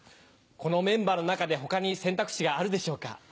このメンバーの中で他に選択肢があるでしょうか？